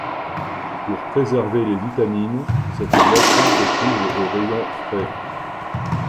Pour préserver les vitamines, cette boisson se trouve au rayon frais.